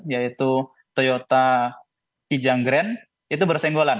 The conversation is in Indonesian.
yaitu toyota kijang grand itu bersenggolan